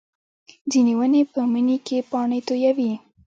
ځینې ونې په مني کې پاڼې تویوي